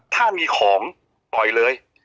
ถ้ามีของปล่อยเลย